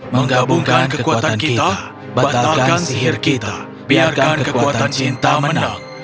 menggabungkan kekuatan kita batalkan sihir kita biarkan kekuatan cinta menang